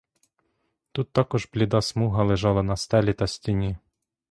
Тут також бліда смуга лежала на стелі та стіні.